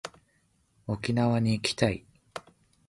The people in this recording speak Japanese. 沖縄に行きたい